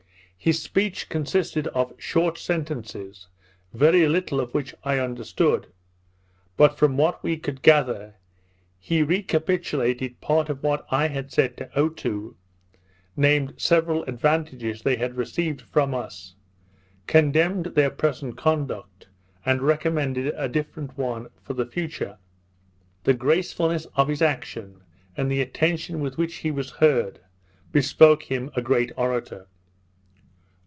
His speech consisted of short sentences, very little of which I understood; but, from what we could gather, he recapitulated part of what I had said to Otoo; named several advantages they had received from us; condemned their present conduct, and recommended a different one for the future. The gracefulness of his action, and the attention with which he was heard, bespoke him a great orator.